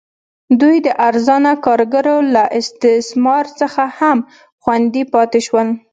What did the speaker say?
دوی د ارزانه کارګرو له استثمار څخه هم خوندي پاتې شول.